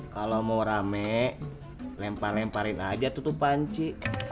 kalau mau rame lempar lemparin aja tutup panci